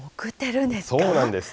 そうなんです。